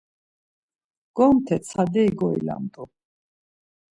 Gomte, tsaderi goilamt̆u.